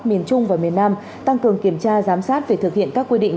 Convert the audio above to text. miền trung và miền nam tăng cường kiểm tra giám sát việc thực hiện các quy định